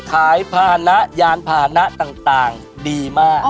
ขายผ่านนะยานผ่านนะต่างดีมาก